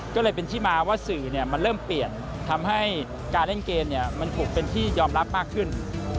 ก็เลยเป็นที่มาว่าสื่อมันเริ่มเปลี่ยนทำให้การเล่นเกมมันถูกเป็นที่ยอมรับมากขึ้น